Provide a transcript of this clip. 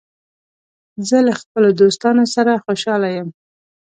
زه له خپلو دوستانو سره خوشاله یم.